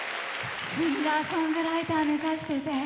シンガーソングライター目指してて。